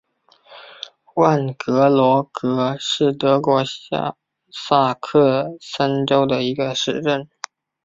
万格罗格是德国下萨克森州的一个市镇。